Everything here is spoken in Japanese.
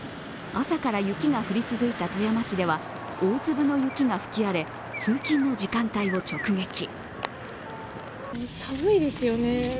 朝から雪が降り続いた富山市では大粒の雪が吹き荒れ通勤の時間帯を直撃。